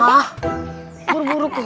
hah buru buru kemana